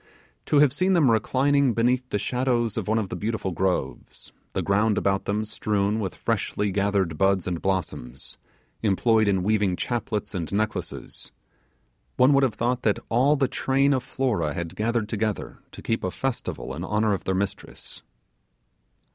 To have seen them reclining beneath the shadows of one of the beautiful groves; the ground about them strewn with freshly gathered buds and blossoms, employed in weaving chaplets and necklaces, one would have thought that all the train of Flora had gathered together to keep a festival in honour of their mistress.